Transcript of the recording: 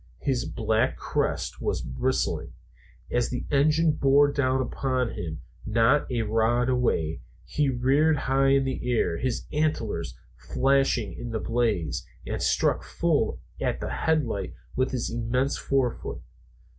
His black crest was bristling. As the engine bore down upon him, not a rod away, he reared high in the air, his antlers flashing in the blaze, and struck full at the headlight with his immense fore feet.